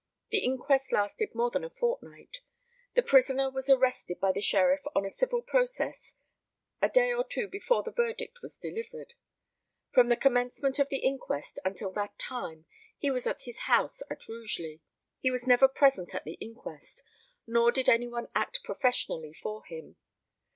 The inquest lasted more than a fortnight. The prisoner was arrested by the sheriff on a civil process a day or two before the verdict was delivered. From the commencement of the inquest until that time he was at his house at Rugeley. He was never present at the inquest, nor did any one act professionally for him.